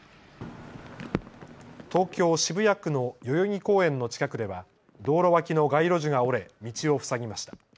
東京渋谷区の代々木公園の近くでは道路脇の街路樹が折れ道を塞ぎました。